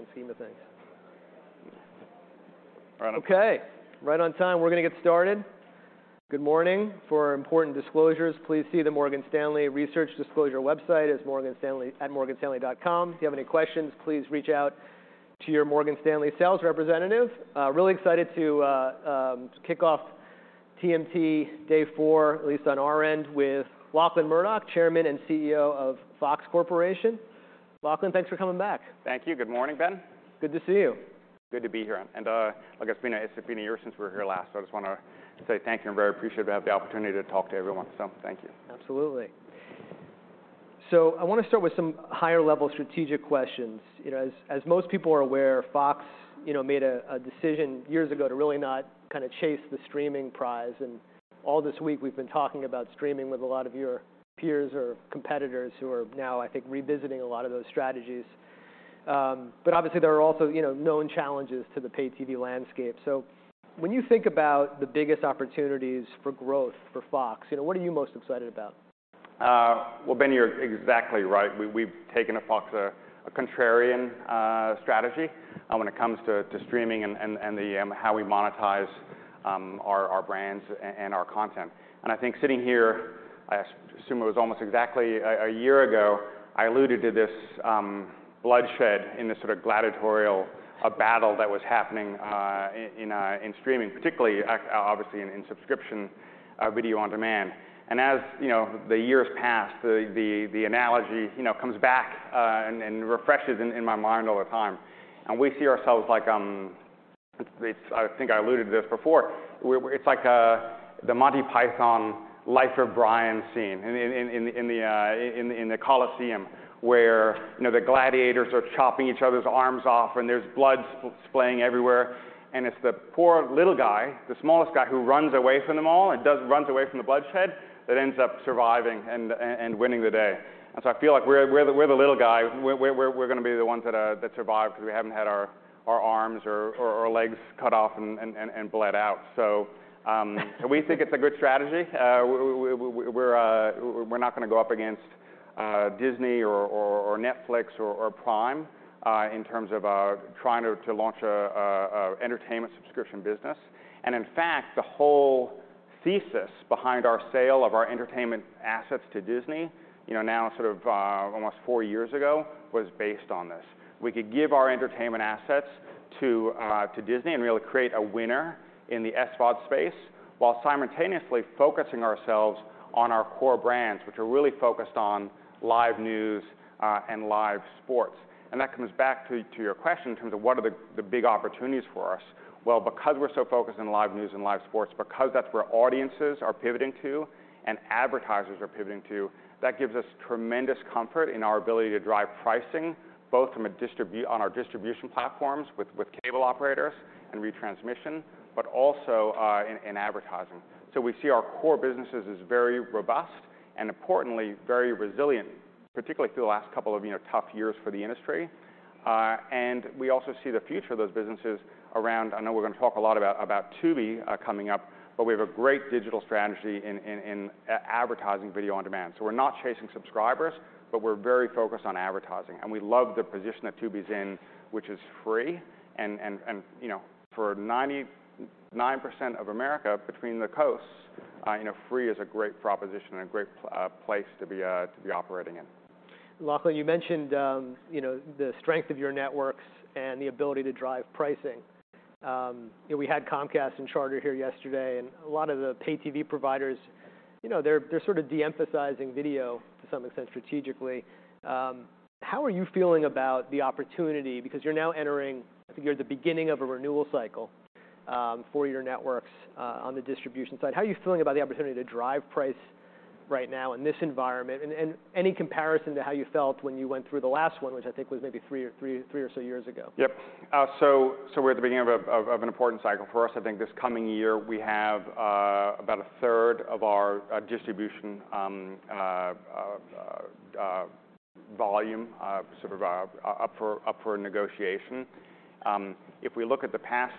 Yeah In the grand scheme of things. Right on. Okay. Right on time. We're gonna get started. Good morning. For important disclosures, please see the Morgan Stanley research disclosure website. It's morganstanley@morganstanley.com. If you have any questions, please reach out to your Morgan Stanley sales representative. Really excited to kick off TMT day four, at least on our end, with Lachlan Murdoch, Chairman and CEO of Fox Corporation. Lachlan, thanks for coming back. Thank you. Good morning, Ben. Good to see you. Good to be here. Look, it's been a year since we were here last, I just wanna say thank you. I'm very appreciative to have the opportunity to talk to everyone. Thank you. Absolutely. I wanna start with some higher level strategic questions. You know, as most people are aware, Fox, you know, made a decision years ago to really not kinda chase the streaming prize. All this week we've been talking about streaming with a lot of your peers or competitors who are now, I think, revisiting a lot of those strategies. Obviously there are also, you know, known challenges to the paid TV landscape. When you think about the biggest opportunities for growth for Fox, you know, what are you most excited about? Well, Ben, you're exactly right. We've taken at Fox a contrarian strategy when it comes to streaming and the how we monetize our brands and our content. I think sitting here, I assume it was almost exactly a year ago, I alluded to this bloodshed in this sort of gladiatorial battle that was happening in streaming, particularly obviously in subscription video-on-demand. As, you know, the years passed, the analogy, you know, comes back and refreshes in my mind all the time. We see ourselves like, it's, I think I alluded to this before. Wherer it's like the Monty Python's Life of Brian scene in the Colosseum, where, you know, the gladiators are chopping each other's arms off, and there's blood splaying everywhere. It's the poor little guy, the smallest guy, who runs away from them all and runs away from the bloodshed, that ends up surviving and winning the day. I feel like we're the little guy. We're gonna be the ones that survive because we haven't had our arms or our legs cut off and bled out. We think it's a good strategy. We're not gonna go up against Disney or Netflix or Prime in terms of trying to launch a entertainment subscription business. In fact, the whole thesis behind our sale of our entertainment assets to Disney, you know, now sort of almost four years ago, was based on this. We could give our entertainment assets to Disney and really create a winner in the SVOD space, while simultaneously focusing ourselves on our core brands, which are really focused on live news and live sports. That comes back to your question in terms of what are the big opportunities for us. Because we're so focused on live news and live sports, because that's where audiences are pivoting to and advertisers are pivoting to, that gives us tremendous comfort in our ability to drive pricing, both from a distribution platforms with cable operators and retransmission, but also in advertising. We see our core business as very robust and importantly, very resilient, particularly through the last couple of, you know, tough years for the industry. We also see the future of those businesses around. I know we're gonna talk a lot about Tubi coming up, but we have a great digital strategy in advertising video-on-demand. We're not chasing subscribers, but we're very focused on advertising, and we love the position that Tubi's in, which is free. For 99% of America between the coasts, you know, free is a great proposition and a great place to be, to be operating in. Lachlan, you mentioned, you know, the strength of your networks and the ability to drive pricing. You know, we had Comcast and Charter here yesterday, and a lot of the pay TV providers, you know, they're sort of de-emphasizing video to some extent strategically. How are you feeling about the opportunity? Because you're now entering, I figure, the beginning of a renewal cycle, for your networks, on the distribution side. How are you feeling about the opportunity to drive price right now in this environment? Any comparison to how you felt when you went through the last one, which I think was maybe three or so years ago? Yep. We're at the beginning of an important cycle for us. I think this coming year we have about a third of our distribution volume sort of up for negotiation. If we look at the past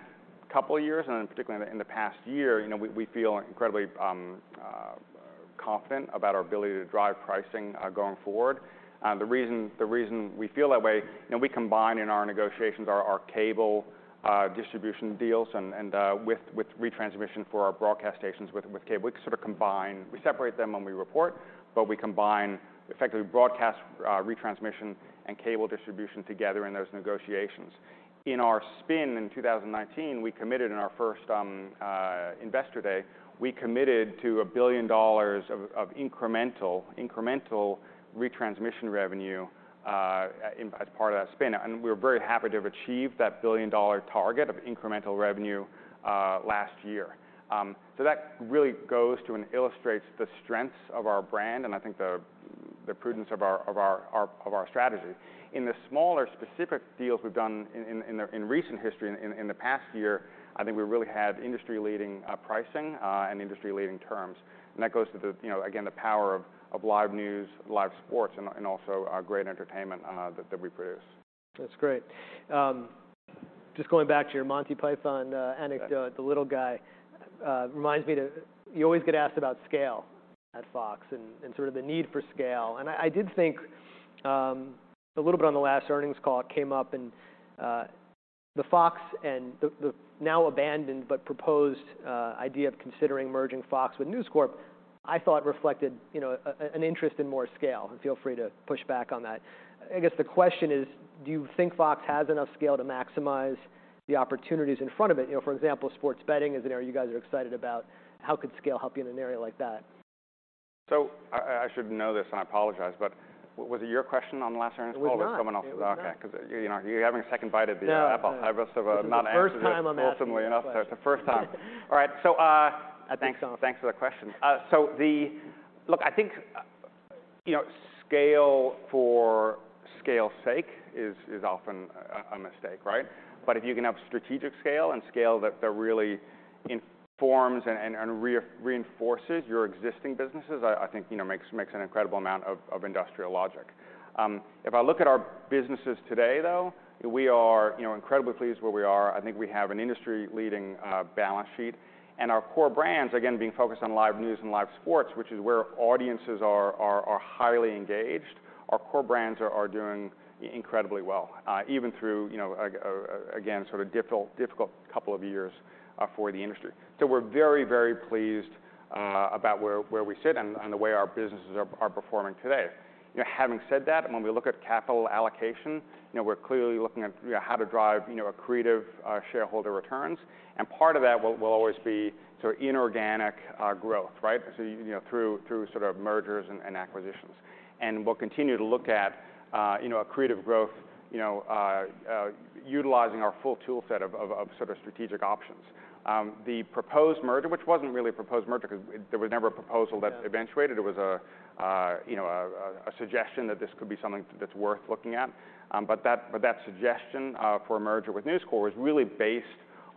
couple years, particularly in the past year, you know, we feel incredibly confident about our ability to drive pricing going forward. The reason we feel that way, you know, we combine in our negotiations our cable distribution deals and with retransmission for our broadcast stations with cable. We sort of combine. We separate them when we report, but we combine effectively broadcast retransmission and cable distribution together in those negotiations. In our spin in 2019, we committed in our first investor day, we committed to $1 billion of incremental retransmission revenue as part of that spin. We're very happy to have achieved that billion-dollar target of incremental revenue last year. That really goes to and illustrates the strengths of our brand, and I think the prudence of our strategy. In the smaller specific deals we've done in recent history, in the past year, I think we really have industry-leading pricing and industry-leading terms. That goes to the, you know, again, the power of live news, live sports, and also our great entertainment that we produce. That's great. Just going back to your Monty Python anecdote the little guy, reminds me, you always get asked about scale at Fox and sort of the need for scale. I did think, a little bit on the last earnings call it came up, and, the Fox and the now abandoned but proposed, idea of considering merging Fox with News Corp, I thought reflected, you know, an interest in more scale. Feel free to push back on that. I guess the question is: do you think Fox has enough scale to maximize the opportunities in front of it? You know, for example, sports betting is an area you guys are excited about. How could scale help you in an area like that? I should know this and I apologize, but was it your question on the last earnings call? It was not. Or someone else's? Okay. 'Cause you know, you're having a second bite of the apple. No, no. I must have not answered it. This is the first time I'm asking this question. Ultimately enough. It's the first time. All right. I think so. thanks for the question. Look, I think, you know, scale for scale's sake is often a mistake, right? If you can have strategic scale and scale that really informs and reinforces your existing businesses, I think, you know, makes an incredible amount of industrial logic. If I look at our businesses today though, we are, you know, incredibly pleased where we are. I think we have an industry leading balance sheet. Our core brands, again, being focused on live news and live sports, which is where audiences are highly engaged, our core brands are doing incredibly well, even through, you know, again, sort of difficult couple of years for the industry. We're very, very pleased about where we sit and the way our businesses are performing today. You know, having said that, and when we look at capital allocation, you know, we're clearly looking at, you know, how to drive, you know, accretive shareholder returns, and part of that will always be sort of inorganic growth, right? You know, through sort of mergers and acquisitions. We'll continue to look at, you know, accretive growth, you know, utilizing our full tool set of sort of strategic options. The proposed merger, which wasn't really a proposed merger 'cause there was never a proposal that eventuated. Yeah. It was a, you know, a suggestion that this could be something that's worth looking at. That suggestion for a merger with News Corp was really based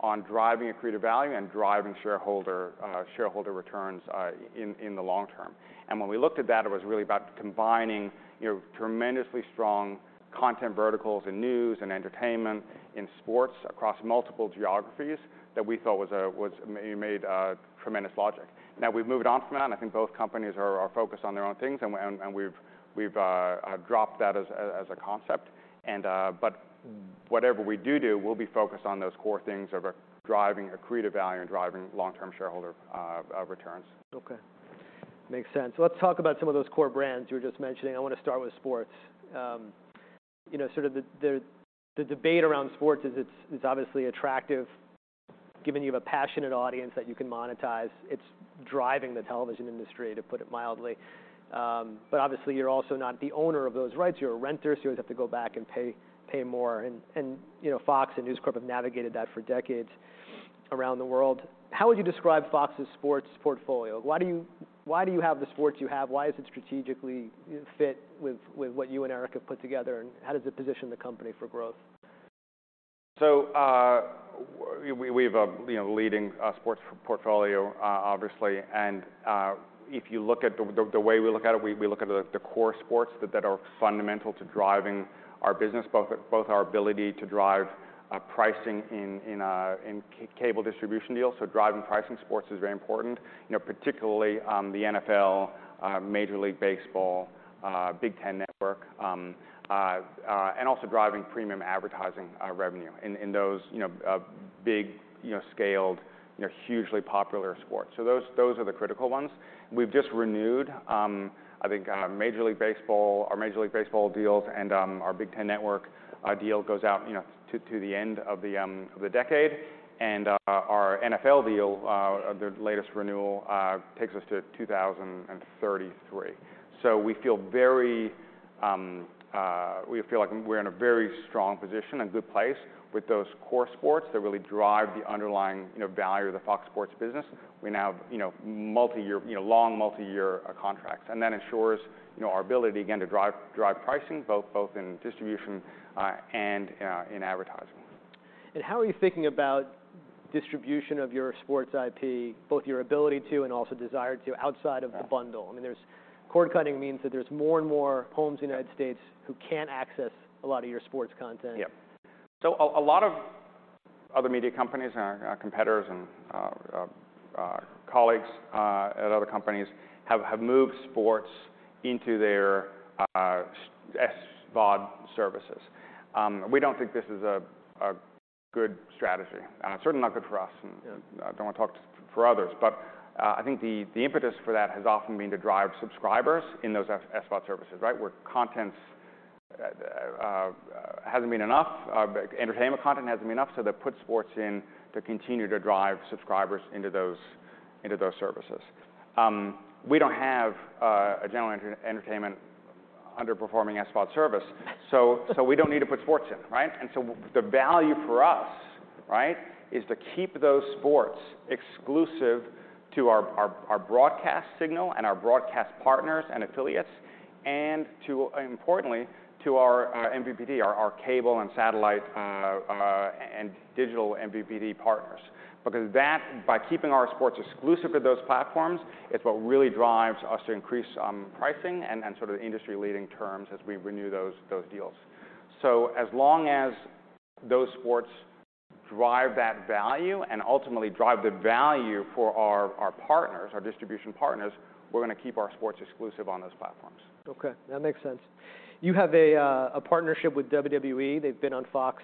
on driving accretive value and driving shareholder returns in the long term. When we looked at that, it was really about combining, you know, tremendously strong content verticals in news and entertainment, in sports, across multiple geographies that we thought made tremendous logic. Now we've moved on from that, I think both companies are focused on their own things and we've dropped that as a concept. Whatever we do, we'll be focused on those core things of driving accretive value and driving long-term shareholder returns. Okay. Makes sense. Let's talk about some of those core brands you were just mentioning. I wanna start with sports. You know, sort of the, the debate around sports is it's obviously attractive, giving you have a passionate audience that you can monetize. It's driving the television industry, to put it mildly. But obviously you're also not the owner of those rights, you're a renter, so you always have to go back and pay more. You know, Fox and News Corp have navigated that for decades around the world. How would you describe Fox's sports portfolio? Why do you have the sports you have? Why does it strategically fit with what you and Eric have put together, and how does it position the company for growth? We have a, you know, leading sports portfolio, obviously. If you look at the way we look at it, we look at the core sports that are fundamental to driving our business, both our ability to drive pricing in cable distribution deals, so driving pricing in sports is very important, you know, particularly the NFL, Major League Baseball, Big Ten Network, and also driving premium advertising revenue in those, you know, big, you know, scaled, you know, hugely popular sports. Those are the critical ones. We've just renewed, I think, Major League Baseball, our Major League Baseball deals. Our Big Ten Network deal goes out, you know, to the end of the decade. Our NFL deal, the latest renewal, takes us to 2033. We feel very, we feel like we're in a very strong position and good place with those core sports that really drive the underlying, you know, value of the Fox Sports business. We now have, you know, multi-year, you know, long multi-year, contracts. That ensures, you know, our ability again to drive pricing both in distribution, and in advertising. How are you thinking about distribution of your sports IP, both your ability to and also desire to outside of the bundle? I mean, Cord cutting means that there's more and more homes in the United States who can't access a lot of your sports content. A lot of other media companies and our competitors and colleagues at other companies have moved sports into their SVOD services. We don't think this is a good strategy, certainly not good for us. Don't wanna talk for others. I think the impetus for that has often been to drive subscribers in those SVOD services, right? Where content's hasn't been enough, but entertainment content hasn't been enough, they put sports in to continue to drive subscribers into those services. We don't have a general entertainment underperforming SVOD service. We don't need to put sports in, right? The value for us, right, is to keep those sports exclusive to our broadcast signal and our broadcast partners and affiliates, and to, importantly, to our MVPD, our cable and satellite, and digital MVPD partners. Because that, by keeping our sports exclusive to those platforms, it's what really drives us to increase pricing and sort of industry-leading terms as we renew those deals. As long as those sports drive that value and ultimately drive the value for our partners, our distribution partners, we're gonna keep our sports exclusive on those platforms. Okay. That makes sense. You have a partnership with WWE. They've been on Fox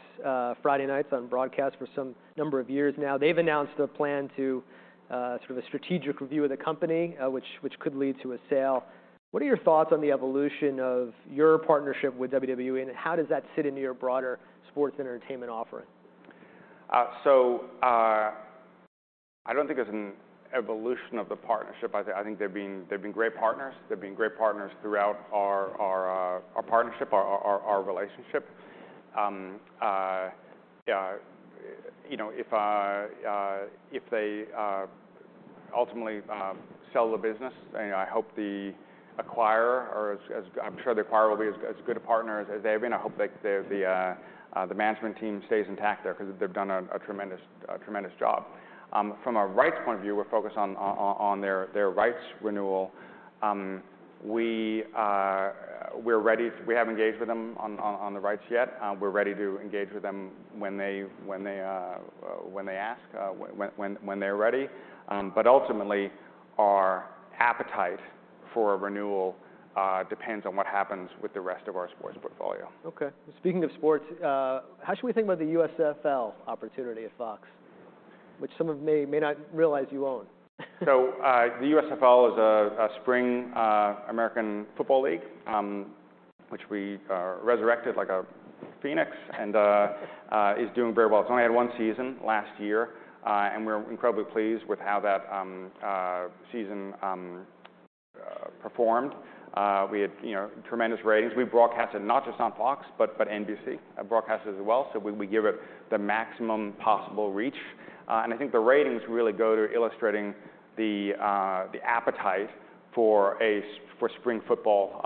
Friday nights on broadcast for some number of years now. They've announced a plan to sort of a strategic review of the company, which could lead to a sale. What are your thoughts on the evolution of your partnership with WWE, and how does that fit into your broader sports entertainment offering? I don't think there's an evolution of the partnership. I think they're being great partners throughout our partnership, our relationship. You know, if I if they ultimately sell the business, I hope the acquirer or as I'm sure the acquirer will be as good a partner as they have been. I hope, like, the management team stays intact there 'cause they've done a tremendous job. From a rights point of view, we're focused on their rights renewal. We're ready, we haven't engaged with them on the rights yet. We're ready to engage with them when they ask, when they're ready. Ultimately, our appetite for a renewal depends on what happens with the rest of our sports portfolio. Okay. Speaking of sports, how should we think about the USFL opportunity at Fox, which some of may not realize you own? The USFL is a spring American Football League, which we resurrected like a phoenix and is doing very well. It's only had one season last year. We're incredibly pleased with how that season performed. We had, you know, tremendous ratings. We broadcasted not just on Fox, but NBC broadcast as well. We give it the maximum possible reach. I think the ratings really go to illustrating the appetite for spring football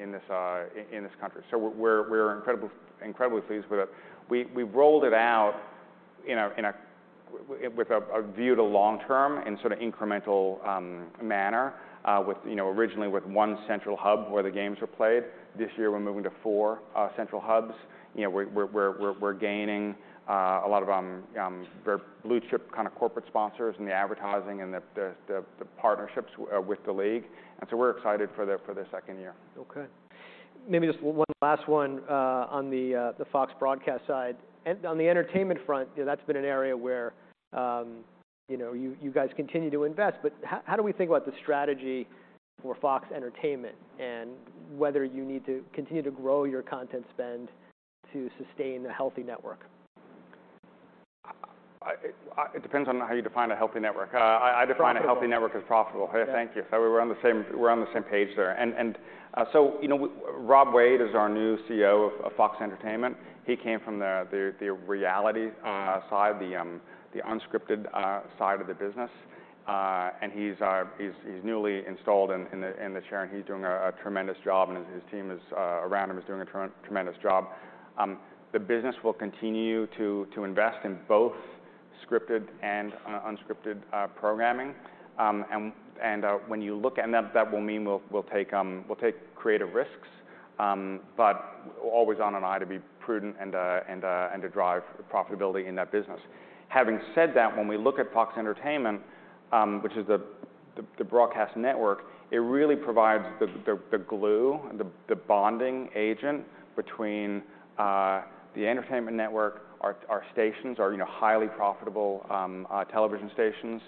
in this country. We're incredibly pleased with it. We rolled it out in a with a view to long-term in sort of incremental manner, with, you know, originally with one central hub where the games were played. This year, we're moving to four central hubs. You know, we're gaining a lot of very blue chip kind of corporate sponsors in the advertising and the partnerships with the league. We're excited for the second year. Okay. Maybe just one last one, on the FOX broadcast side. And on the entertainment front, you know, that's been an area where, you know, you guys continue to invest. But how do we think about the strategy for FOX Entertainment and whether you need to continue to grow your content spend to sustain a healthy network? It depends on how you define a healthy network. Profitable I define a healthy network as profitable. Yeah, thank you. We're on the same page there. You know, Rob Wade is our new CEO of FOX Entertainment. He came from the reality side, the unscripted side of the business. He's newly installed in the chair, and he's doing a tremendous job, and his team around him is doing a tremendous job. The business will continue to invest in both scripted and unscripted programming. When you look at that will mean we'll take creative risks, but always on an eye to be prudent and to drive profitability in that business. Having said that, when we look at FOX Entertainment, which is the broadcast network, it really provides the glue, the bonding agent between the entertainment network, our stations, you know, highly profitable television stations,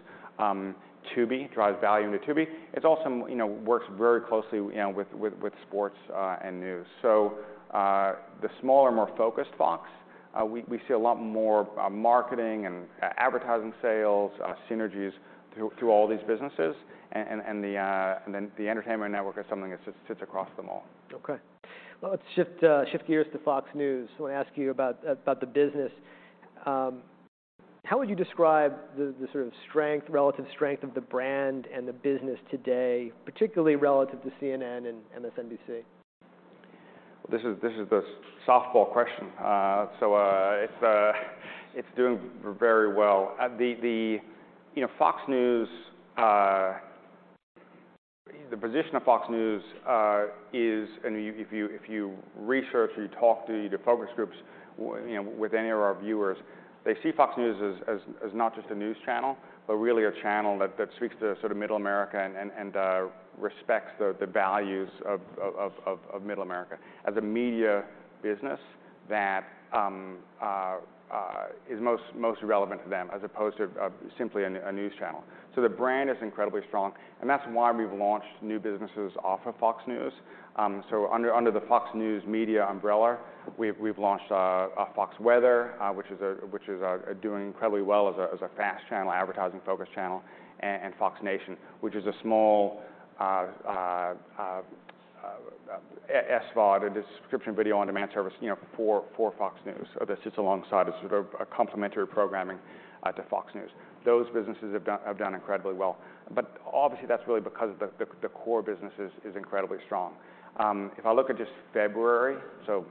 Tubi, drives value into Tubi. It also, you know, works very closely, you know, with sports and news. The smaller, more focused Fox, we see a lot more marketing and advertising sales synergies through all these businesses. Then the entertainment network is something that sits across them all. Okay. Well, let's shift gears to Fox News. I wanna ask you about about the business. How would you describe the sort of strength, relative strength of the brand and the business today, particularly relative to CNN and MSNBC? This is the softball question. So, it's doing very well. You know, Fox News, the position of Fox News, and if you research or you talk to the focus groups, you know, with any of our viewers, they see Fox News as not just a news channel, but really a channel that speaks to sort of Middle America and respects the values of Middle America as a media business that is most relevant to them as opposed to simply a news channel. The brand is incredibly strong, and that's why we've launched new businesses off of Fox News. Under the Fox News Media umbrella, we've launched FOX Weather, which is doing incredibly well as a FAST channel, advertising-focused channel. And Fox Nation, which is a small SVOD, a description video on demand service, you know, for Fox News. That sits alongside as sort of a complementary programming to Fox News. Those businesses have done incredibly well. Obviously, that's really because the core business is incredibly strong. If I look at just February, you know,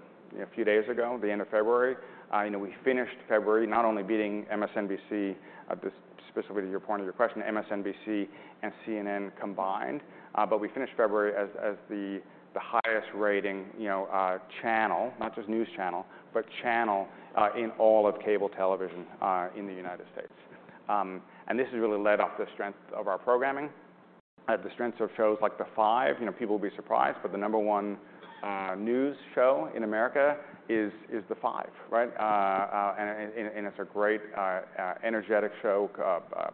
a few days ago, the end of February, you know, we finished February not only beating MSNBC, this specifically to your point of your question, MSNBC and CNN combined, but we finished February as the highest-rating, you know, channel, not just news channel, but channel in all of cable television in the United States. This has really led off the strength of our programming, the strength of shows like The Five. You know, people will be surprised, but the number one news show in America is The Five, right? It's a great energetic show,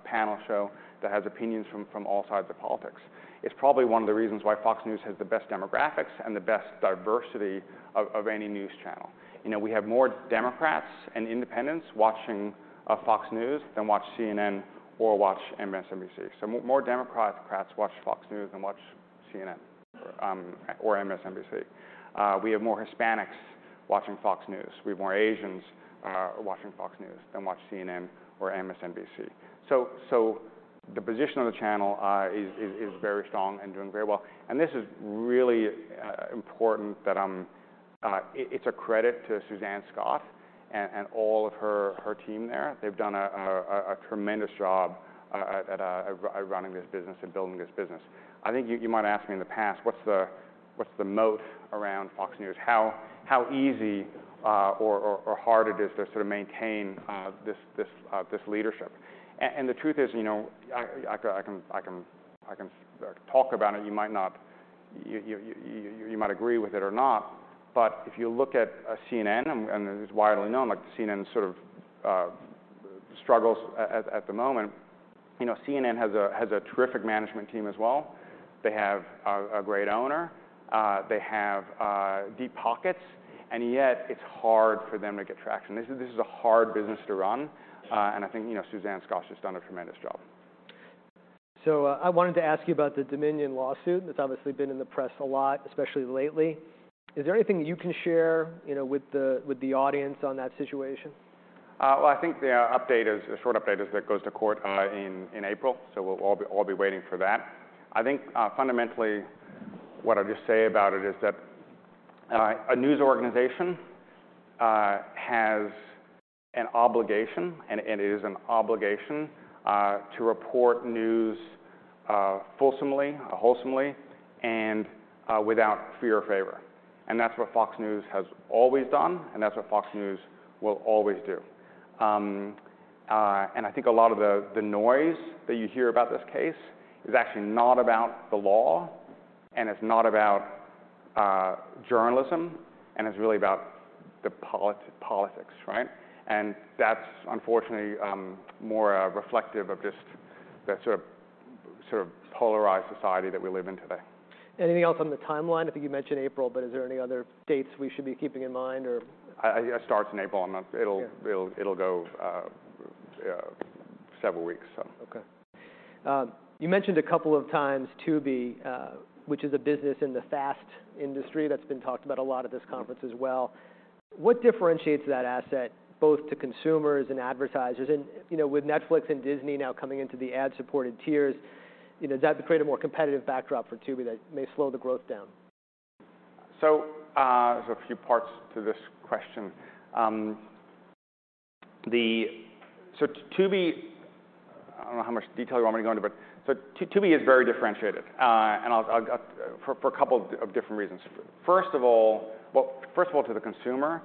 panel show that has opinions from all sides of politics. It's probably one of the reasons why Fox News has the best demographics and the best diversity of any news channel. You know, we have more Democrats and independents watching Fox News than watch CNN or watch MSNBC. More Democrats watch Fox News than watch CNN or MSNBC. We have more Hispanics watching Fox News. We have more Asians watching Fox News than watch CNN or MSNBC. The position of the channel is very strong and doing very well, and this is really important that it's a credit to Suzanne Scott and all of her team there. They've done a tremendous job at running this business and building this business. I think you might have asked me in the past, what's the moat around Fox News? How easy or hard it is to sort of maintain this leadership. The truth is, you know, I can talk about it. You might agree with it or not, if you look at CNN, it's widely known, like CNN sort of struggles at the moment. You know, CNN has a terrific management team as well. They have a great owner. They have deep pockets, yet it's hard for them to get traction. This is a hard business to run, I think, you know, Suzanne Scott's just done a tremendous job. I wanted to ask you about the Dominion lawsuit that's obviously been in the press a lot, especially lately. Is there anything that you can share, you know, with the, with the audience on that situation? Well, I think the update is, the short update is that it goes to court in April, so we'll all be waiting for that. I think, fundamentally what I'll just say about it is that a news organization has an obligation, and it is an obligation, to report news, fulsomely, wholesomely, and without fear or favor. That's what Fox News has always done, and that's what Fox News will always do. I think a lot of the noise that you hear about this case is actually not about the law, and it's not about journalism, and it's really about the politics, right? That's unfortunately more reflective of just the sort of polarized society that we live in today. Anything else on the timeline? I think you mentioned April, but is there any other dates we should be keeping in mind or? it starts in April, and then. Sure It'll go several weeks, so. Okay. You mentioned a couple of times Tubi, which is a business in the FAST industry that's been talked about a lot at this conference as well. What differentiates that asset both to consumers and advertisers? You know, with Netflix and Disney now coming into the ad-supported tiers, you know, does that create a more competitive backdrop for Tubi that may slow the growth down? There's a few parts to this question. Tubi, I don't know how much detail you want me to go into, but Tubi is very differentiated, and I'll for a couple of different reasons. First of all, to the consumer,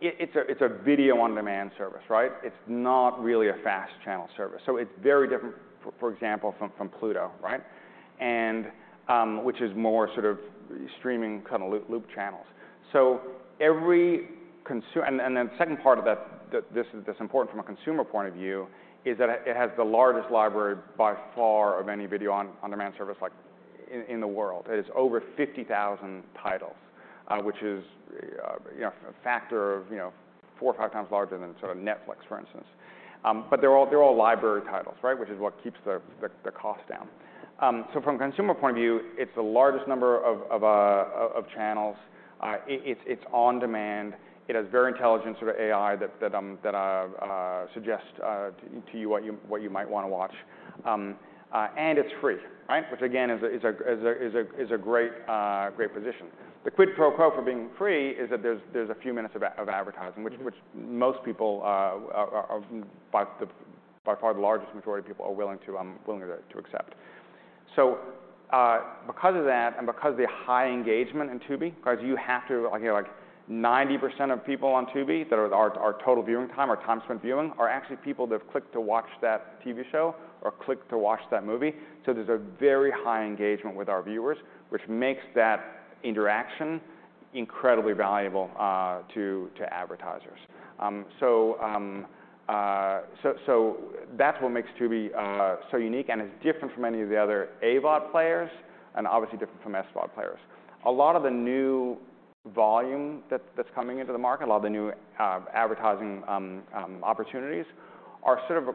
it's a video on demand service, right? It's not really a FAST channel service. It's very different for example, from Pluto, right? which is more sort of streaming kind of loop channels. The second part of that, this is important from a consumer point of view, is that it has the largest library by far of any video on-demand service like in the world. It is over 50,000 titles, which is, you know, a factor of, you know, four or five times larger than sort of Netflix, for instance. They're all library titles, right? Which is what keeps the cost down. From a consumer point of view, it's the largest number of channels. It's on demand. It has very intelligent sort of AI that suggests to you what you might wanna watch. It's free, right? Which again is a great position. The quid pro quo for being free is that there's a few minutes of advertising which most people are by far the largest majority of people are willing to accept. Because of that and because of the high engagement in Tubi, because you have to, like 90% of people on Tubi that are total viewing time or time spent viewing are actually people that have clicked to watch that TV show or clicked to watch that movie. There's a very high engagement with our viewers, which makes that interaction incredibly valuable to advertisers. That's what makes Tubi so unique, and it's different from any of the other AVOD players and obviously different from SVOD players. A lot of the new volume that's coming into the market, a lot of the new advertising opportunities are sort of a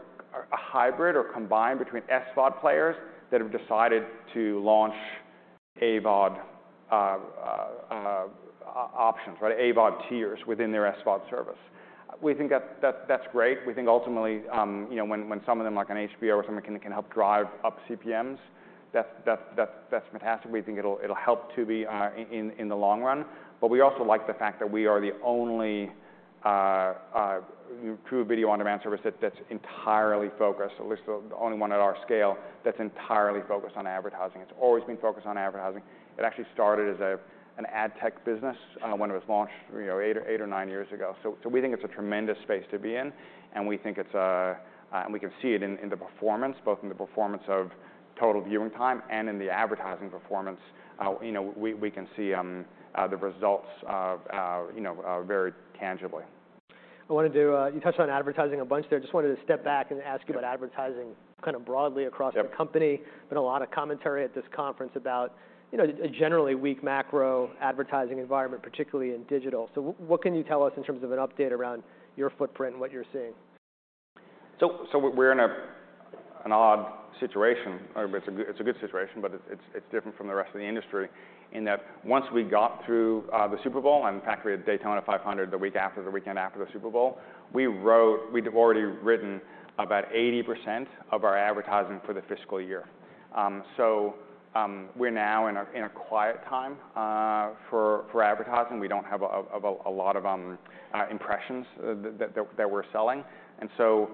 hybrid or combined between SVOD players that have decided to launch AVOD options, right? AVOD tiers within their SVOD service. We think that's great. We think ultimately, you know, when some of them, like an HBO or something, can help drive up CPMs, that's fantastic. We think it'll help Tubi in the long run. We also like the fact that we are the only true video-on-demand service that's entirely focused, at least the only one at our scale, that's entirely focused on advertising. It's always been focused on advertising. It actually started as an ad tech business, when it was launched, you know, eight or nine years ago. We think it's a tremendous space to be in, and we think it's, we can see it in the performance, both in the performance of total viewing time and in the advertising performance. You know, we can see the results of, you know, very tangibly. I wanna do, you touched on advertising a bunch there. Just wanted to step back and ask you about advertising kind of broadly across the company. Been a lot of commentary at this conference about, you know, a generally weak macro advertising environment, particularly in digital. What can you tell us in terms of an update around your footprint and what you're seeing? We're in an odd situation. It's a good situation, but it's different from the rest of the industry in that once we got through the Super Bowl and, in fact, we had Daytona 500 the week after, the weekend after the Super Bowl, we'd already written about 80% of our advertising for the fiscal year. We're now in a quiet time for advertising. We don't have a lot of impressions that we're selling and so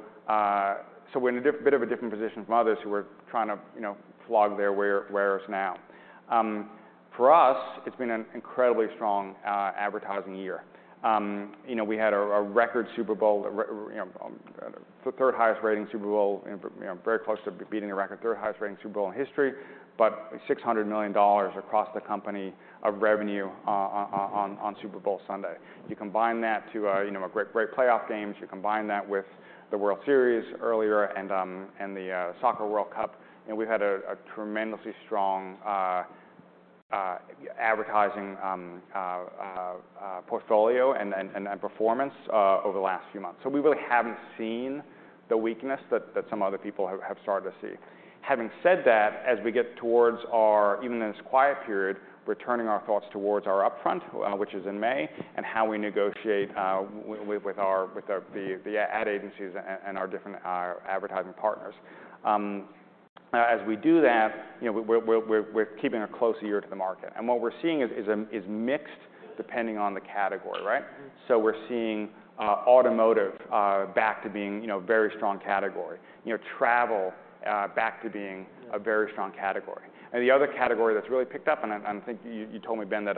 we're in a bit of a different position from others who are trying to, you know, flog their wares now. For us, it's been an incredibly strong advertising year. You know, we had a record Super Bowl, you know, very close to beating the record, third highest-rating Super Bowl in history, but $600 million across the company of revenue on Super Bowl Sunday. You combine that to a, you know, great playoff games, you combine that with the World Series earlier and the FIFA World Cup, you know, we've had a tremendously strong advertising portfolio and performance over the last few months. We really haven't seen the weakness that some other people have started to see. Having said that, as we get towards our even in this quiet period, we're turning our thoughts towards our upfront, which is in May, and how we negotiate with our the ad agencies and our different advertising partners. As we do that, you know, we're keeping a close ear to the market and what we're seeing is mixed depending on the category, right? Mm. We're seeing automotive back to being, you know, very strong category. You know, travel back to being a very strong category. The other category that's really picked up and I'm thinking you told me, Ben, that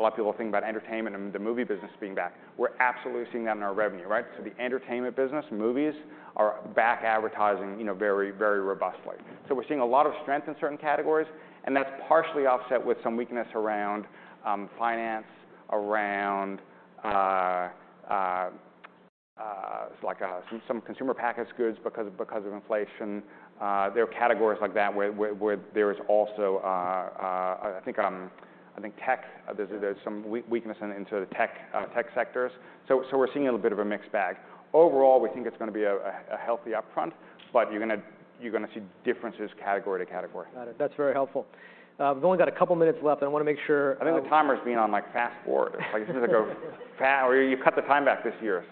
a lot of people are thinking about entertainment and the movie business being back. We're absolutely seeing that in our revenue, right? The entertainment business, movies are back advertising, you know, robustly. We're seeing a lot of strength in certain categories and that's partially offset with some weakness around finance, around like consumer packaged goods because of inflation. There are categories like that where there is also I think I think tech, there's some weakness into the tech sectors. We're seeing a little bit of a mixed bag. Overall, we think it's gonna be a healthy upfront, but you're gonna see differences category to category. Got it. That's very helpful. We've only got a couple minutes left and I wanna make sure. I think the timer's being on, like, fast forward. Like it's gonna go or you cut the time back this year.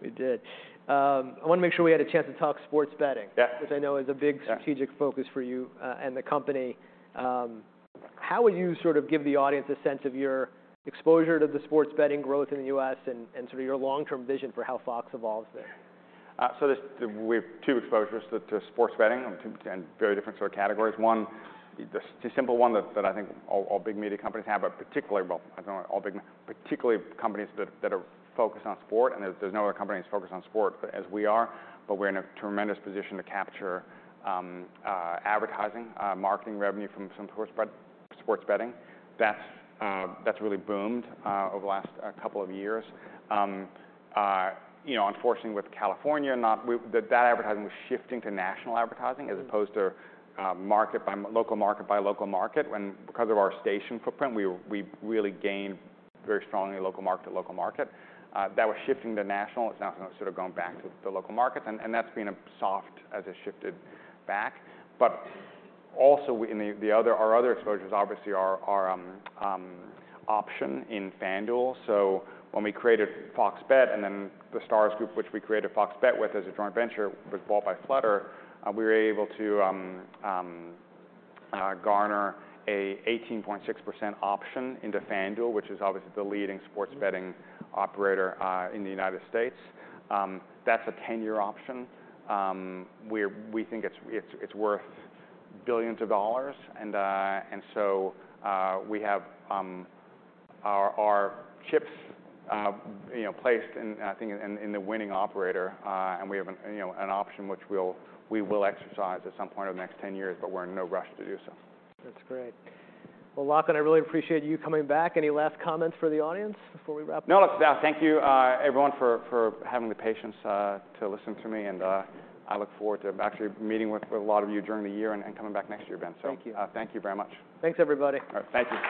We did. I wanna make sure we had a chance to talk sports betting which I know is a big strategic focus for you, and the company. How would you sort of give the audience a sense of your exposure to the sports betting growth in the U.S. and sort of your long-term vision for how Fox evolves there? We have two exposures to sports betting and very different sort of categories. One, the simple one that I think all big media companies have, particularly, well, I don't know all big particularly companies that are focused on sport, and there's no other company that's focused on sport as we are. We're in a tremendous position to capture advertising marketing revenue from some sports betting. That's really boomed over the last couple of years. You know, unfortunately with California not That advertising was shifting to national advertising. Mm As opposed to market by local market by local market when because of our station footprint, we really gained very strongly local market to local market. That was shifting to national. It's now sort of gone back to the local markets and that's been soft as it shifted back. The other exposure is obviously our option in FanDuel. When we created FOX Bet and then The Stars Group which we created FOX Bet with as a joint venture was bought by Flutter, we were able to garner a 18.6% option into FanDuel, which is obviously the leading sports betting operator in the United States. That's a 10-year option. We think it's worth billions of dollars. We have our chips, you know, placed in, I think, in the winning operator. We have an option which we will exercise at some point over the next 10 years, but we're in no rush to do so. That's great. Well, Lachlan, I really appreciate you coming back. Any last comments for the audience before we wrap up? No, look, thank you, everyone for having the patience to listen to me and I look forward to actually meeting with a lot of you during the year and coming back next year, Ben. Thank you. Thank you very much. Thanks, everybody. All right. Thank you.